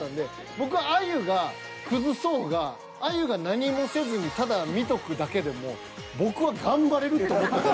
僕はあゆが崩そうがあゆが何もせずにただ見とくだけでも僕は頑張れると思ったんで。